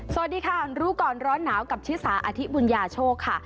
สวัสดีค่ะรู้ก่อนร้อนหนาวกับชิสาอธิบุญญาโชคค่ะ